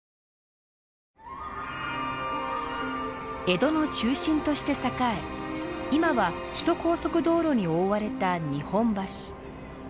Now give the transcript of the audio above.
江戸の中心として栄え今は首都高速道路に覆われた日本橋。